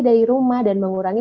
dari rumah dan mengurangi